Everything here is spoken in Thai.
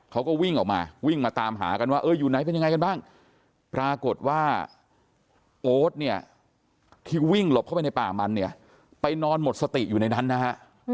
เขาก็วิ่งออกมาวิ่งมาตามหากันว่าเอออยู่ไหนเป็นยังไงกันบ้างปรากฏว่าโอ๊ตเนี่ยที่วิ่งหลบเข้าไปในป่ามันเนี่ยไปนอนหมดสติอยู่ในนั้นนะฮะ